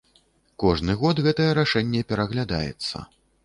Кожны год гэтае рашэнне пераглядаецца.